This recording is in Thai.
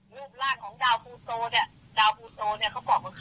รูปร่างของดาวภูโตเนี่ยเขาบอกว่าเขาเนี่ยมียุ่นยืนเป็นหมื่นปี